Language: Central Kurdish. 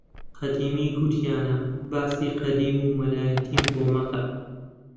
قەدیمی گوتوویانە باسی قەدیم و مەلایەتیم بۆ مەکە!